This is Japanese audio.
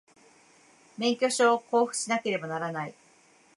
免許証を交付しなければならない